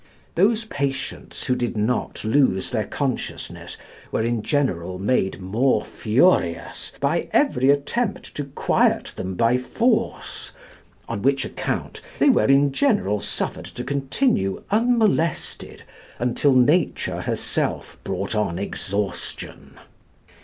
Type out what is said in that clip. Those patients who did not lose their consciousness were in general made more furious by every attempt to quiet them by force, on which account they were in general suffered to continue unmolested until nature herself brought on exhaustion.